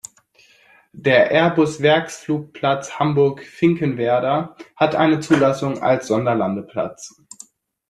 Der Airbus-Werksflugplatz Hamburg-Finkenwerder hat eine Zulassung als Sonderlandeplatz.